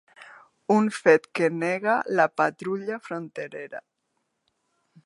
Un fet que nega la patrulla fronterera.